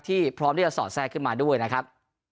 พร้อมที่จะสอดแทรกขึ้นมาด้วยนะครับ